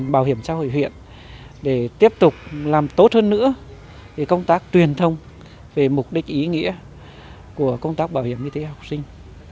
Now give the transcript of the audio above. bảo hiểm xã hội huyện để tiếp tục làm tốt hơn nữa công tác truyền thông về mục đích ý nghĩa của công tác bảo hiểm y tế học sinh